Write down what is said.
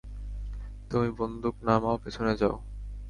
তুমি বন্দুক নামাও পেছনে যাও!